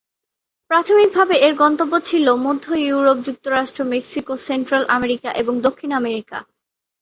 প্রাথমিক ভাবে এর গন্তব্য ছিল মধ্য-ইউরোপ, যুক্তরাষ্ট্র, মেক্সিকো, সেন্ট্রাল আমেরিকা এবং দক্ষিণ আমেরিকা।